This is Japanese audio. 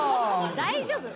大丈夫？